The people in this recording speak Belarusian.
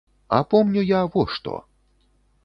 А помню я во што.